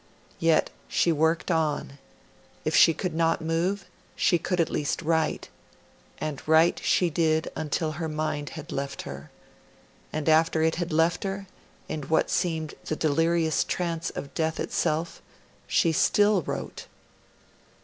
Yet she worked on; if she could not move, she could at least write, and write she did until her mind had left her; and after it had left her, in what seemed the delirious trance of death itself, she still wrote.